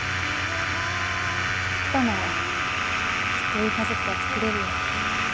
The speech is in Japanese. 福多ならきっといい家族がつくれるよ。